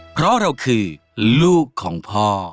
เพราะเราคือลูกของพ่อ